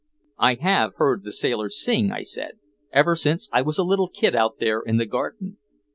"I have heard the sailors sing," I said, "ever since I was a little kid out there in the garden."